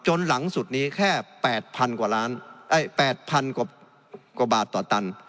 จนหลังสุดนี้แค่๘๐๐๐กว่าบาทต่อตัน